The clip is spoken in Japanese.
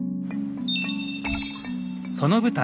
その舞台